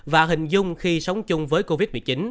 và hình dung khi sống chung với covid một mươi chín